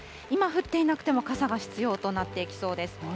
今降っていなくても傘が必要となってきそうです。